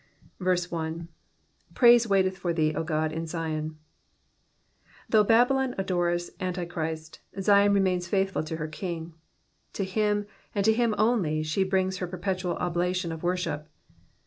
1. ^^ Praise waiteth for thee^ 0 Ood^ in Sion^ Though Babylon adores Antichrist, Zion remains faithful to her King ; to him, and to him only, she brings her perpetual oblation of worship.